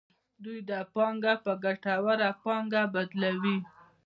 دوی دا پانګه په ګټوره پانګه بدلوي